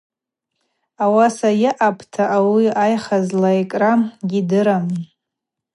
Ауаса йаъапӏта ауи айха злайкӏра гьидырам.